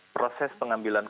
proses pengambilan keuangan